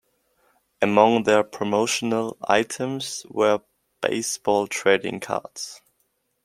Among their promotional items were baseball trading cards.